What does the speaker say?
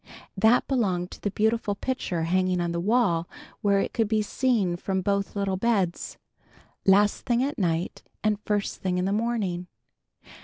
That belonged to the beautiful picture hanging on the wall where it could be seen from both little beds, last thing at night and first thing in the morning.